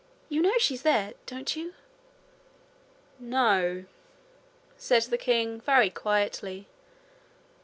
You know she's there, don't you?' 'No,' said the king, very quietly.